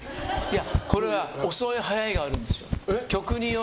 これは遅い速いがあるんですよ。